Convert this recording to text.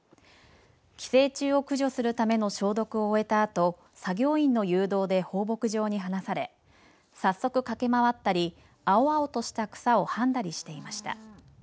寄生虫を駆除するための消毒を終えたあと作業員の誘導で放牧場に放され早速駆け回ったり青々とした草をはんだりしていました。